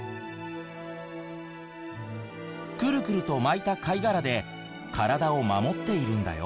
クルクルと巻いた貝殻で体を守っているんだよ。